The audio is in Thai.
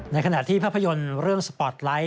ในขณะที่ภาพยนตร์เรื่องสปอร์ตไลท์